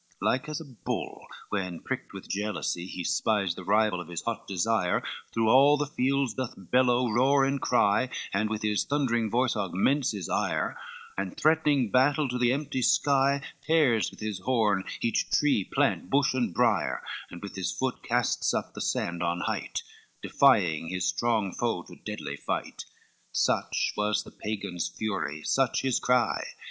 LV Like as a bull when, pricked with jealousy, He spies the rival of his hot desire, Through all the fields doth bellow, roar and cry, And with his thundering voice augments his ire, And threatening battle to the empty sky, Tears with his horn each tree, plant, bush and brier, And with his foot casts up the sand on height, Defying his strong foe to deadly fight: LVI Such was the Pagan's fury, such his cry.